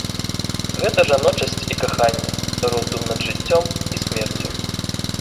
Гэта жаночасць і каханне, роздум над жыццём і смерцю.